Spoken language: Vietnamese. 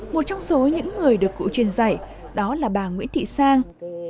một trong số những người được cụ truyền dạy đó là bà nguyễn thị sang